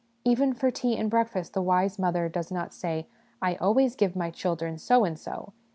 Even for tea and breakfast the wise mother does not say, ' I always give my children' so and so.